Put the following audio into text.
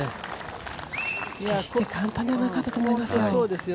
決して簡単ではなかったと思いますよ。